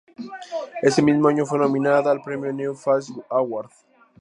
Ese mismo año fue nominada al premio "New Faces Award".